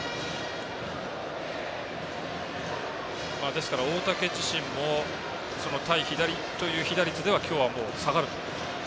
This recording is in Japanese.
ですから大竹自身も対左という被打率では今日は下がると。